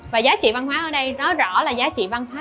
và giá trị văn hóa ở đây rõ rõ là giá trị văn hóa